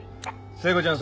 聖子ちゃん